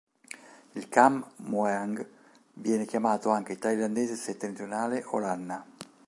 Il kham mueang viene chiamato anche thailandese settentrionale o lanna.